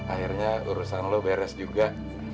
akhirnya urusan lo beres juga